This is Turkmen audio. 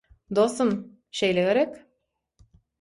Dostum, şeýle gerek?